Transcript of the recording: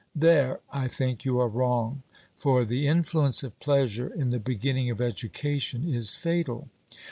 There, I think, you are wrong; for the influence of pleasure in the beginning of education is fatal.